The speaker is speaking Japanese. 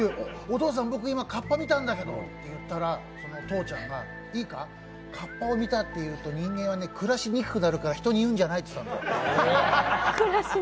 お父さん、僕、今かっぱ見たんだけどって言ったら父ちゃんが、いいか、かっぱを見たって言うと、人間は暮らしにくくなるから人に言うんじゃないって言ったの。